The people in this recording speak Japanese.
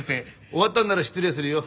終わったのなら失礼するよ。